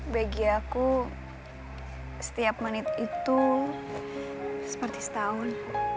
bagi aku setiap menit itu seperti setahun